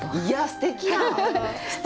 すてきやん！